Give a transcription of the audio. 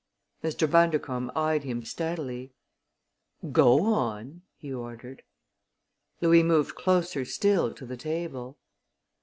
Mr. Bundercombe eyed him steadily. "Go on!" he ordered. Louis moved closer still to the table.